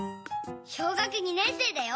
小学２年生だよ。